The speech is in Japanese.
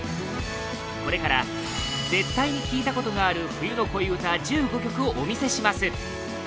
これから絶対に聴いたことがある冬の恋うた１５曲をお見せします！